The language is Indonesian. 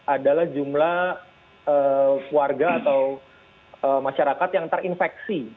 adalah jumlah warga atau masyarakat yang terinfeksi